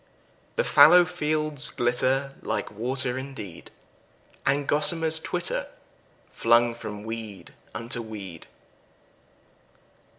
The fallow fields glitter like water indeed, And gossamers twitter, flung from weed unto weed.